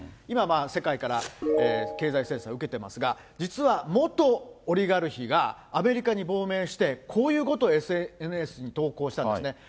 今はまあ、世界から経済制裁を受けていますが、実は元オリガルヒがアメリカに亡命して、こういうことをＳＮＳに投稿したんですね。